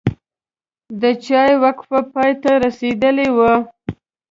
د چای وقفه پای ته رسیدلې وه.